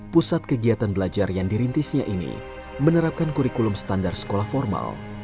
pusat kegiatan belajar yang dirintisnya ini menerapkan kurikulum standar sekolah formal